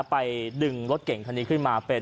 ไปดึงรถเก่งคันนี้ขึ้นมาเป็น